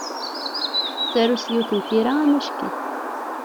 Tettaru s yiwet n tira amack-itt.